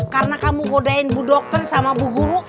karena kamu godain bu dokter sama bu guru